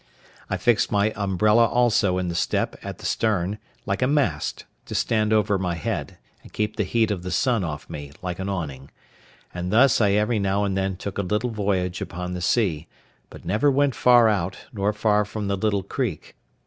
I fixed my umbrella also in the step at the stern, like a mast, to stand over my head, and keep the heat of the sun off me, like an awning; and thus I every now and then took a little voyage upon the sea, but never went far out, nor far from the little creek.